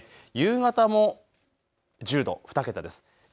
夕方も１０度、２桁です。